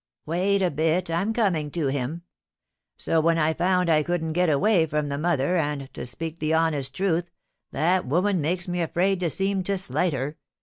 "Wait a bit, I'm coming to him. So when I found I couldn't get away from the mother, and, to speak the honest truth, that woman makes me afraid to seem to slight her.